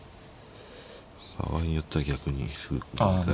場合によっては逆に歩打ったら。